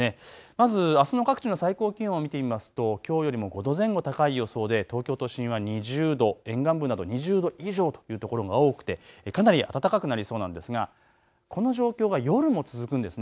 まずあすの各地の最高気温を見てみますと、きょうよりも５度前後高い予想で東京都心は２０度、沿岸部など２０度以上という所が多くて、かなり暖かくなりそうなんですがこの状況が夜も続くんです。